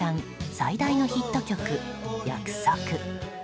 最大のヒット曲「約束」。